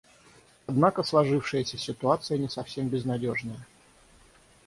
Однако сложившаяся ситуация не совсем безнадежная.